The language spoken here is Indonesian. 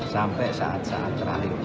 sampai saat saat terakhir